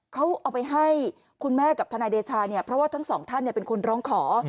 เขาเอาไปให้คุณแม่กับทนายเดชาเนี่ยเพราะว่าทั้งสองท่านเป็นคนร้องขอ